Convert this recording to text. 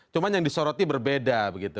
cuma yang disoroti berbeda begitu